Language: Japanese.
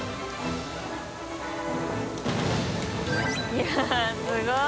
いやぁすごい。